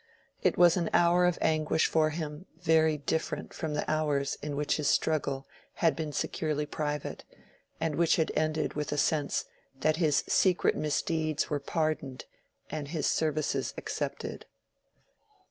It was an hour of anguish for him very different from the hours in which his struggle had been securely private, and which had ended with a sense that his secret misdeeds were pardoned and his services accepted.